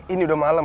ini udah malem